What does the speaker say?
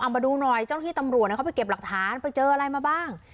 มาดูหน่อยเจ้าที่ตำรวจเขาไปเก็บหลักฐานไปเจออะไรมาบ้าง